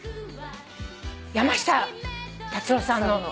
山下達郎さんの。